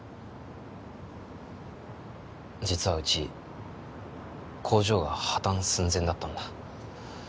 実はうち工場が破綻寸前だったんだ